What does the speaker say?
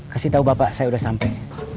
kasih tahu bapak saya udah sampai